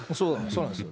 そうなんですよ。